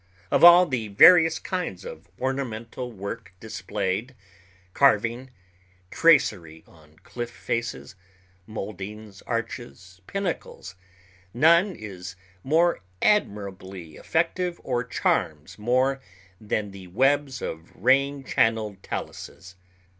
Of all the various kinds of ornamental work displayed—carving, tracery on cliff faces, moldings, arches, pinnacles—none is more admirably effective or charms more than the webs of rain channeled taluses.